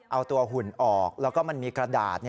เอาตัวหุ่นออกแล้วก็มันมีกระดาษ